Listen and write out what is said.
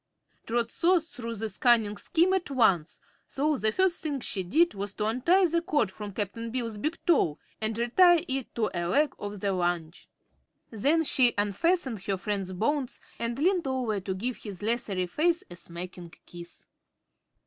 Trot saw through this cunning scheme at once, so the first thing she did was to untie the cord from Cap'n Bill's big toe and retie it to a leg of the lounge. Then she unfastened her friend's bonds and leaned over to give his leathery face a smacking kiss.